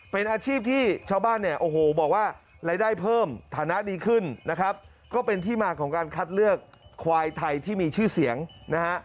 เป็นอาชีพที่ชาวบ้านเนี่ยโอ้โหบอกว่ารายได้เพิ่มฐานะดีขึ้นนะครับก็เป็นที่มาของการคัดเลือกควายไทยที่มีชื่อเสียงนะฮะ